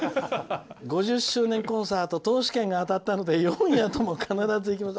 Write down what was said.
「５０周年コンサート通し券が当たったので４夜とも必ず行きます」。